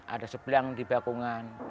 ada sebelang di bakungan